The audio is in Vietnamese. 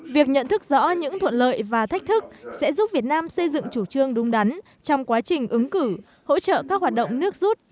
việc nhận thức rõ những thuận lợi và thách thức sẽ giúp việt nam xây dựng chủ trương đúng đắn trong quá trình ứng cử hỗ trợ các hoạt động nước rút